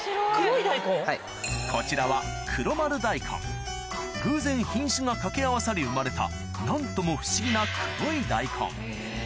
こちらは偶然品種が掛け合わさり生まれた何とも不思議な黒い大根